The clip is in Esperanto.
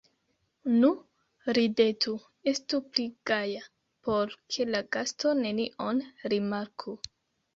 Nu, ridetu, estu pli gaja, por ke la gasto nenion rimarku!